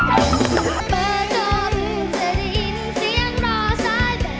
เปิดจบจะได้ยินเสียงรอซ้าย